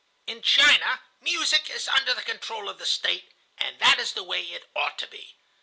"In China music is under the control of the State, and that is the way it ought to be.